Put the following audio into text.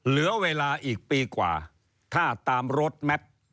เหลือเวลาอีกปีกว่าถ้าตามรถแมพ